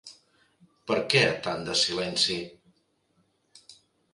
Per què tant de silenci?